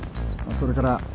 それから